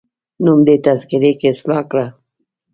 نوم دي تذکره کي اصلاح کړه